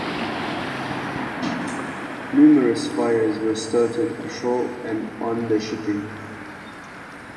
Numerous fires were started ashore and on the shipping.